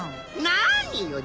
何よ！